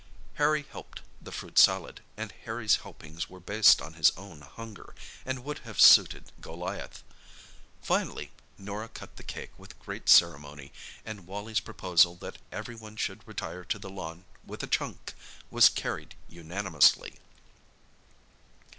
Harry helped the fruit salad, and Harry's helpings were based on his own hunger, and would have suited Goliath. Finally, Norah cut the cake with great ceremony, and Wally's proposal that everyone should retire to the lawn with a "chunk" was carried unanimously.